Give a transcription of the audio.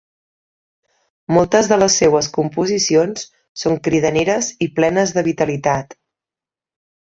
Moltes de les seues composicions són cridaneres i plenes de vitalitat.